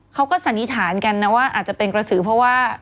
สันนิษฐานกันนะว่าอาจจะเป็นกระสือเพราะว่า